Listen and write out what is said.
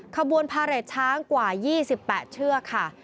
ขบวนพาเรทช้างกว่า๒๘เชือกค่ะ